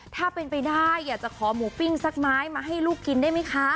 ถ้าเป็นไปได้อยากจะขอหมูปิ้งสักไม้มาให้ลูกกินได้ไหมคะ